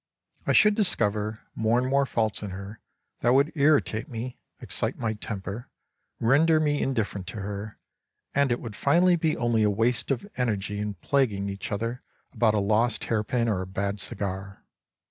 I should discover more and more faults in her that would irritate me, excite my temper, render me indifferent to her, and it would finally be only a waste of energy in plagueing each other about a lost hairpin or a bad cigar.